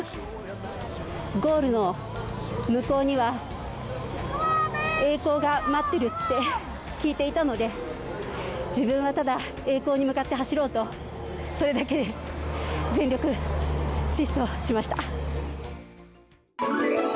ゴールの向こうには、栄光が待っているって聞いていたので、自分はただ栄光に向かって走ろうと、それだけで全力疾走しました。